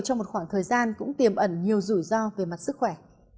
trong một khoảng thời gian cũng tiềm ẩn nhiều rủi ro về mặt sức khỏe